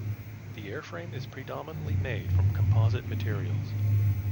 The airframe is predominantly made from composite materials.